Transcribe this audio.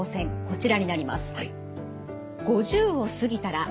こちらになります。